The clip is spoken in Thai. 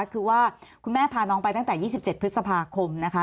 คือว่าคุณแม่พาน้องไปตั้งแต่๒๗พฤษภาคมนะคะ